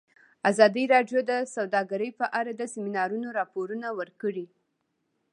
ازادي راډیو د سوداګري په اړه د سیمینارونو راپورونه ورکړي.